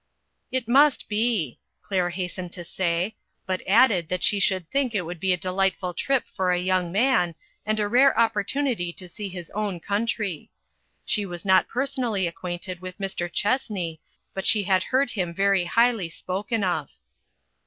" It must be," Claire hastened to say, but added that she should think it would be a delightful trip for a young man, and a rare opportunity to see his own country. She was not personally acquainted with Mr. Chessney, but she had heard him very highly spoken of.